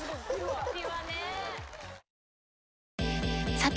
さて！